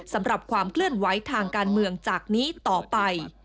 ความเคลื่อนไหวทางการเมืองจากนี้ต่อไป